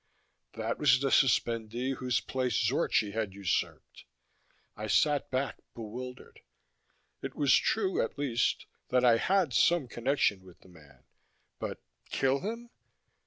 That was the suspendee whose place Zorchi had usurped. I sat back, bewildered. It was true, at least, that I had had some connection with the man. But kill him?